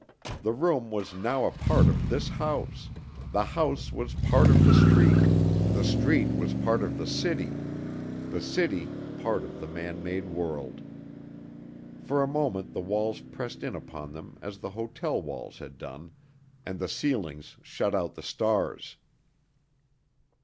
The room was now a part of this house, the house was part of the street, the street was part of the city, the city part of the man made world. For a moment the walls pressed in upon them as the hotel walls had done, and the ceilings shut out the stars.